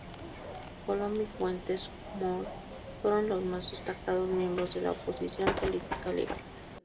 Colom y Fuentes Mohr fueron los más destacados miembros de la oposición política legal.